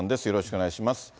よろしくお願いします。